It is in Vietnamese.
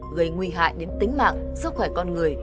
gây nguy hại đến tính mạng sức khỏe con người